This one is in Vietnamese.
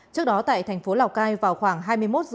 trước đó tại tp lào cai vào khoảng hai mươi một h ba mươi